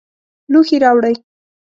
لوښي راوړئ